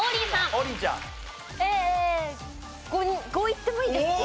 ５いってもいいですか？